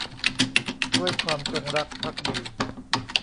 ด้วยความจงรักภักดี